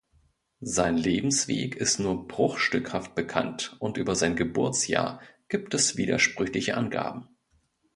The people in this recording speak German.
Sein Lebensweg ist nur bruchstückhaft bekannt und über sein Geburtsjahr gibt es widersprüchliche Angaben.